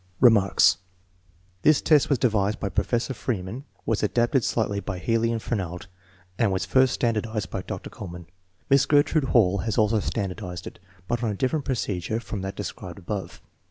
Remarks. This test was devised by Professor Freeman, was adapted slightly by Healy and Fernald, and was first standardized by Dr. Kuhlmann. Miss Gertrude Hall has also standardized it, but on a different procedure from that described above.